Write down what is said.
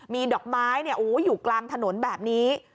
มีดอกไม้เนี่ยโอ้อยู่กลางถนนแบบนี้